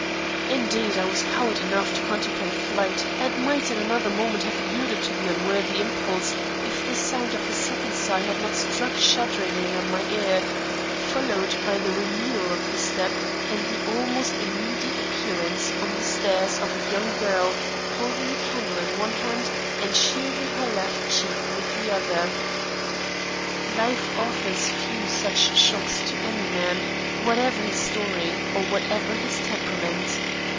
Indeed, I was coward enough to contemplate flight and might in another moment have yielded to the unworthy impulse if the sound of a second sigh had not struck shudderingly on my ear, followed by the renewal of the step and the almost immediate appearance on the stairs of a young girl holding a candle in one hand and shielding her left cheek with the other. Life offers few such shocks to any man, whatever his story or whatever his temperament.